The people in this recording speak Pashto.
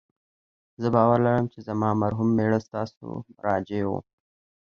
زه باور لرم چې زما مرحوم میړه ستاسو مراجع و